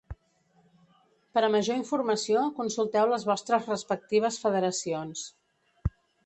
Per a major informació, consulteu les vostres respectives federacions.